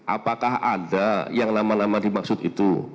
apakah ada yang lama lama dimaksud itu